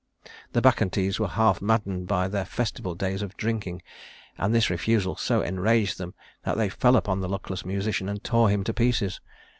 The Bacchantes were half maddened by their festival days of drinking, and this refusal so enraged them that they fell upon the luckless musician and tore him to pieces.